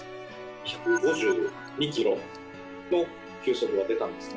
１５２キロの球速が出たんですね。